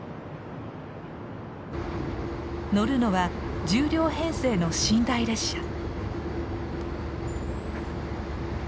乗るのは１０両編成の寝台列車。